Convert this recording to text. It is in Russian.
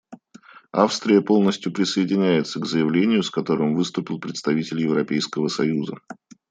Австрия полностью присоединяется к заявлению, с которым выступил представитель Европейского союза.